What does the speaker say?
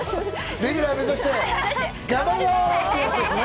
レギュラー目指して頑張るぞ！